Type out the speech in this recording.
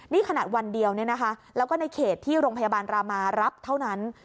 นี่ขนาดวันเดียวแล้วก็ในเขตที่โรงพยาบาลรามารับเท่านั้น